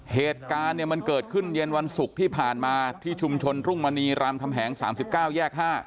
เหตุการณ์เนี่ยมันเกิดขึ้นเย็นวันศุกร์ที่ผ่านมาที่ชุมชนรุ่งมณีรามคำแหง๓๙แยก๕